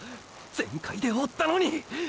全開で追ったのに！！